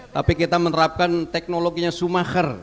tapi karena menerapkan teknologinya sumacher